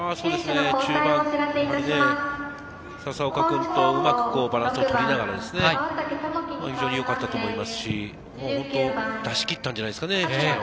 中盤、笹岡君とうまくバランスをとりながら、非常によかったと思いますし、出し切ったんじゃないですかね。